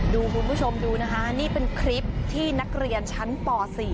คุณผู้ชมดูนะคะนี่เป็นคลิปที่นักเรียนชั้นป๔